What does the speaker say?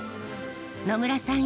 乃村さん